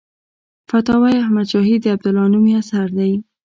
فتاوی احمدشاهي د عبدالله نومي اثر دی.